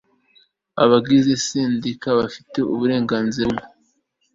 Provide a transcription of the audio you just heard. abagize sendika bafite uburenganzira bumwe